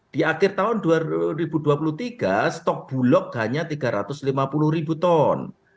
di akhir tahun dua ribu dua puluh tiga stok bulog hanya tiga ratus lima puluh ribu ton